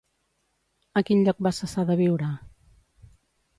A quin lloc va cessar de viure?